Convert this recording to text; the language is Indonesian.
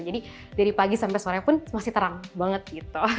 jadi dari pagi sampai sore pun masih terang banget gitu